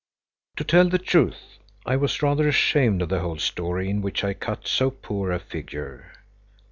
To tell the truth, I was rather ashamed of the whole story in which I cut so poor a figure.